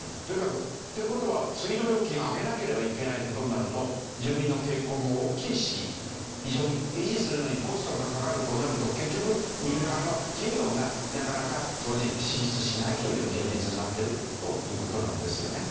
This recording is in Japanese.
という事は水道料金上げなければいけないって事になると住民の抵抗も大きいし非常に維持するのにコストがかかるとなると結局民間の企業がなかなか進出しないという現実になってるという事なんですよね。